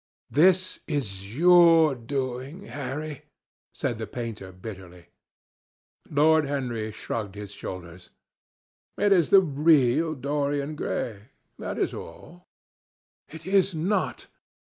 "This is your doing, Harry," said the painter bitterly. Lord Henry shrugged his shoulders. "It is the real Dorian Gray—that is all." "It is not."